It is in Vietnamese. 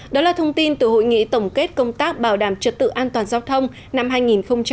đó là thông tin từ hội nghị tổng kết công tác bảo đảm trật tự an toàn giao thông năm hai nghìn một mươi chín